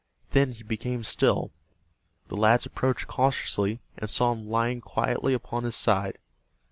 Then he became still. The lads approached cautiously, and saw him lying quietly upon his side.